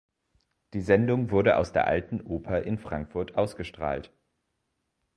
Die Sendung wurde aus der Alten Oper in Frankfurt ausgestrahlt.